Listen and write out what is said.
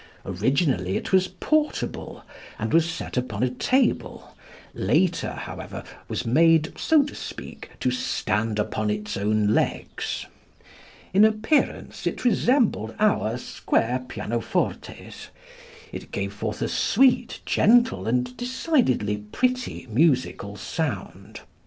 Originally it was portable and was set upon a table; later, however, was made, so to speak, to stand upon its own legs. In appearance it resembled our square pianofortes. It gave forth a sweet, gentle and decidedly pretty musical sound.